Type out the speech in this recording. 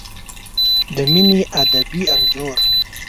د مینې ادبي انځور